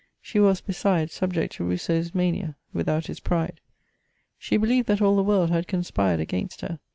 She was, besides, subject to Rbusseau's mania, without his pride. She beheved that all tbe world had conspired against her.